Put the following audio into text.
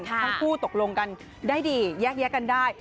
ค่ะคู่ตกลงกันได้ดีแยกกันได้